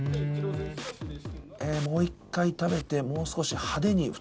もう一回食べてもう少し派手に。